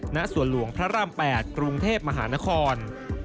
ณสวนหลวงพระราม๘กรุงเทพมหานคร